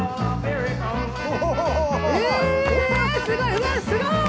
うすごい。